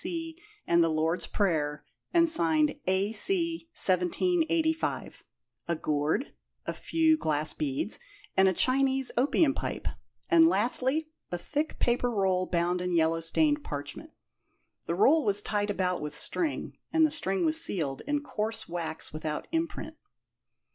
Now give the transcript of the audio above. B.C. and the Lord's Prayer and signed "A.C., 1785;" a gourd, a few glass beads, and a Chinese opium pipe; and lastly, a thick paper roll bound in yellow stained parchment. The roll was tied about with string, and the string was sealed, in coarse wax without imprint.